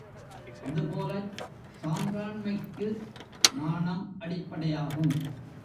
அதுபோலச் சான்றாண்மைக்கு நாணம் அடிப்படையாகும்.